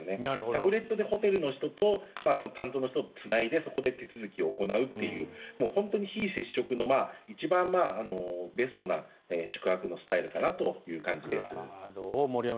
タブレットでホテルの人と担当の人とつないでそこで手続きを行うという本当に非接触の、一番ベストな宿泊のスタイルかなという感じです。